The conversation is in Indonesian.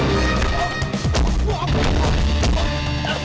bang bener apa ketawa